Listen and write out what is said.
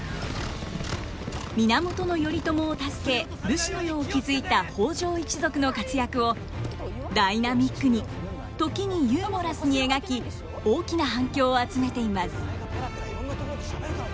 源頼朝を助け武士の世を築いた北条一族の活躍をダイナミックに時にユーモラスに描き大きな反響を集めています。